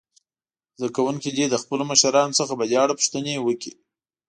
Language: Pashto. زده کوونکي دې له خپلو مشرانو څخه په دې اړه پوښتنې وکړي.